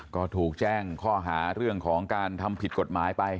ก็ถูกแจ้งข้อหาเรื่องของการทำผิดกฎหมายไป